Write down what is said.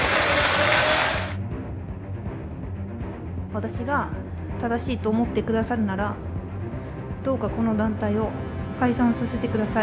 私が正しいと思ってくださるなら、どうかこの団体を解散させてください。